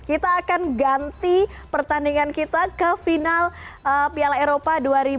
kita akan ganti pertandingan kita ke final piala eropa dua ribu dua puluh